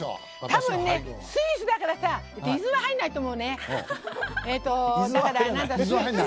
多分、スイスだから伊豆は入らないと思うね！